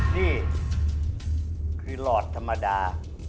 นี่คือหลอดธรรมดา